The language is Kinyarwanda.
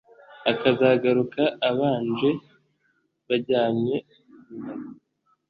akazagarura abanjye bajyanywe bunyago,